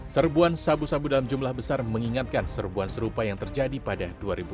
serbuan sabu sabu dalam jumlah besar mengingatkan serbuan serupa yang terjadi pada dua ribu dua puluh